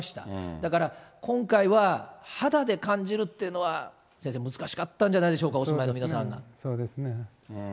だから、今回は肌で感じるっていうのは、先生、難しかったんじゃないでしょうか、そうですね。